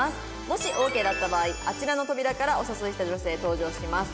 もしオーケーだった場合あちらの扉からお誘いした女性登場します。